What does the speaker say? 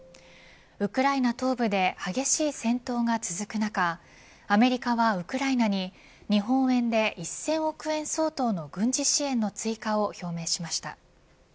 ウクライナ東部で激しい戦闘が続く中アメリカはウクライナに日本円で１０００億円相当の軍事支援の追加を表明しました。